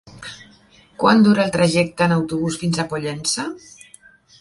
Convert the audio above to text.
Quant dura el trajecte en autobús fins a Pollença?